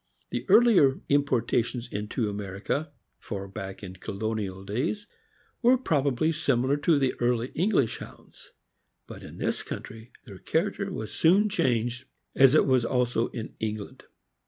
The earlier importations into America, far back in colonial days, were probably similar to the early English Hounds; but in this country their character was soon changed, as it (189) 190 THE AMERICAN BOOK OF THE DOG. was also in England.